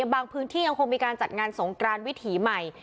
บางพื้นที่ยังคงมีการจัดงานสงกรานวิถีใหม่